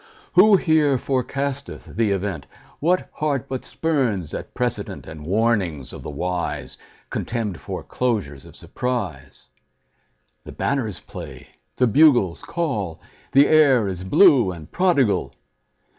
Who here forecasteth the event? What heart but spurns at precedent And warnings of the wise, Contemned foreclosures of surprise? The banners play, the bugles call, The air is blue and prodigal.